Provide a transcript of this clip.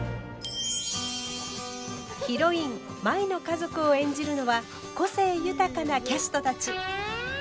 ヒロイン舞の家族を演じるのは個性豊かなキャストたち。